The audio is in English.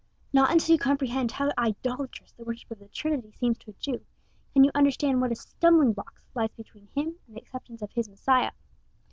Not until you comprehend how idolatrous the worship of the Trinity seems to a Jew, can you understand what a stumbling block lies between him and the acceptance of his Messiah.